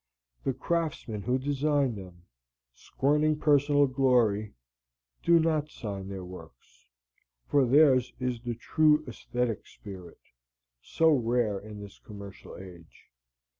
The craftsmen who design them, scorning personal glory, do not sign their works. For theirs is the true æsthetic spirit, so rare in this commercial age.